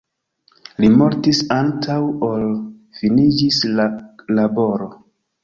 Li mortis antaŭ ol finiĝis la laboro.